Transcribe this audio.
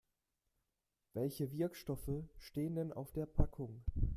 Welche Wirkstoffe stehen denn auf der Packung?